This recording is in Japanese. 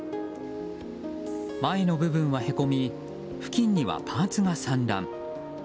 前の部分はへこみ付近にはパーツが散乱。